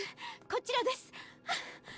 こちらです！